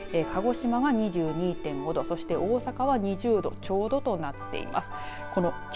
鹿児島が２２．５度大阪が２０度ちょうどとなっています。